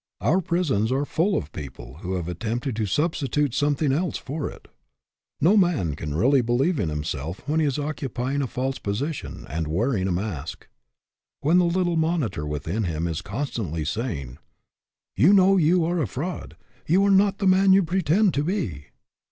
Our prisons are full of people who have attempted to sub stitute something else for it. No man can really believe in himself when he is occupying a false position and wearing a mask; when the little monitor within him is constantly saying, " You know you are a fraud ; you are not the man you pretend to be."